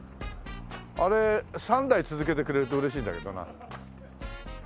あれ３台続けてくれると嬉しいんだけどな。